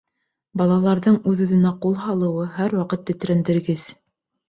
Балаларҙың үҙ-үҙенә ҡул һалыуы һәр ваҡыт тетрәндергес.